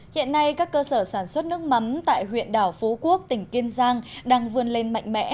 hiện nay các cơ sở sản xuất nước mắm tại huyện đảo phú quốc tỉnh kiên giang đang vươn lên mạnh mẽ